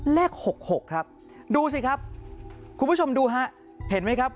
หกหกครับดูสิครับคุณผู้ชมดูฮะเห็นไหมครับ